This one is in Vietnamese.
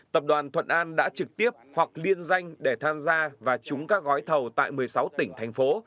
tập đoàn thuận an đã trực tiếp hoặc liên danh để tham gia và trúng các gói thầu tại một mươi sáu tỉnh thành phố